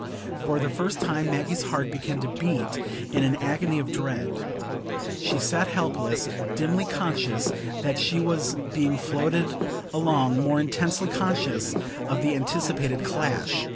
For the first time Maggie's heart began to beat in an agony of dread. She sat helpless, dimly conscious that she was being floated along, more intensely conscious of the anticipated clash.